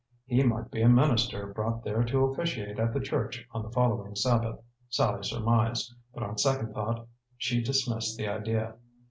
He might be a minister brought there to officiate at the church on the following Sabbath, Sallie surmised; but on second thought she dismissed the idea.